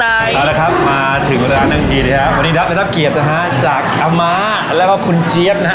เอาละครับมาถึงร้านนั่งกินนะครับวันนี้รับได้รับเกียรตินะฮะจากอาม้าแล้วก็คุณเจี๊ยบนะฮะ